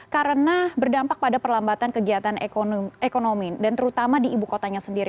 karena berdampak pada perlambatan kegiatan ekonomi dan terutama di ibu kotanya sendiri